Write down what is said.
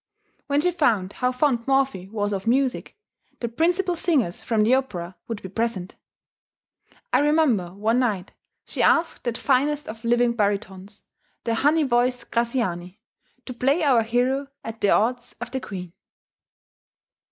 When she found how fond Morphy was of music, the principal singers from the opera would be present. I remember one night she asked that finest of living baritones, "the honey voiced" Graziani, to play our hero at the odds of the Queen.